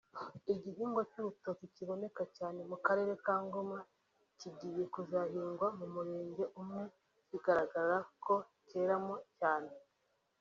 Igihingwa cy’urutoki kiboneka cyane mu karere kaNgoma kigiye kuzahingwa mu murenge umwe kigaragara ko cyeramo cyane